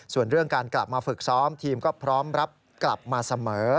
ส่วนเรื่องการกลับมาฝึกซ้อมทีมก็พร้อมรับกลับมาเสมอ